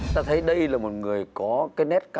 ta thấy đây là một người có cái nét cả